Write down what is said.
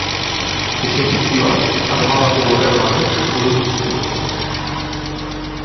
Exekuzioak armadako borrero batek burutuko zituen.